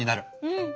うん！